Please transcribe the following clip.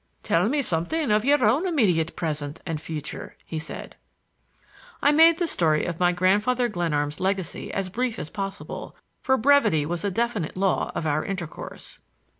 "Tell me something of your own immediate present and future," he said. I made the story of my Grandfather Glenarm's legacy as brief as possible, for brevity was a definite law of our intercourse.